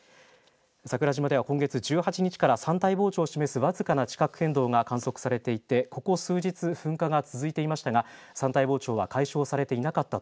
桜島では今月１８日から山体膨張を示す僅かな地殻変動が観測されていて、ここ数日噴火が続いていましたが山体膨張は解消されていなかった